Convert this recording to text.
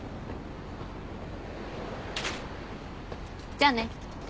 じゃあね。